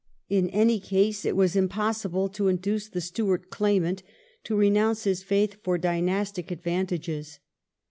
In any case, it was impossible to induce the Stuart claimant to re nounce his faith for dynastic advantages.